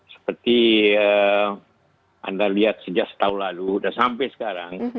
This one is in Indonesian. seperti anda lihat sejak setahun lalu dan sampai sekarang